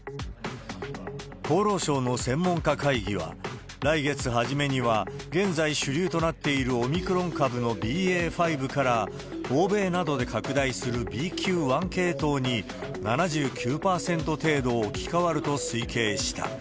厚労省の専門家会議は、来月初めには、現在主流となっているオミクロン株のＢＡ．５から、欧米などで拡大するＢＱ．１系統に７９％程度置き換わると推計した。